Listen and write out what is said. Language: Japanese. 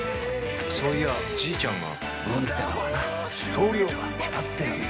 そういやじいちゃんが運ってのはな量が決まってるんだよ。